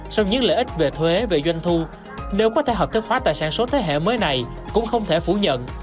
sau những lợi ích về thuế về doanh thu nếu có thể hợp thức hóa tài sản số thế hệ mới này cũng không thể phủ nhận